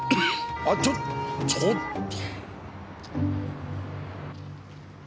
あっちょちょっと。